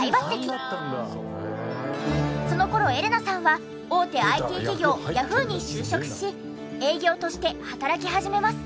その頃エレナさんは大手ＩＴ企業ヤフーに就職し営業として働き始めます。